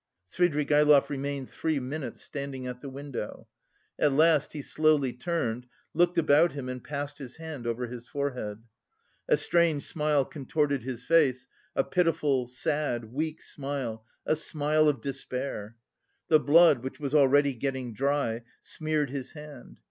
Svidrigaïlov remained three minutes standing at the window. At last he slowly turned, looked about him and passed his hand over his forehead. A strange smile contorted his face, a pitiful, sad, weak smile, a smile of despair. The blood, which was already getting dry, smeared his hand.